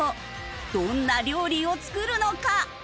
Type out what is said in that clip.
どんな料理を作るのか？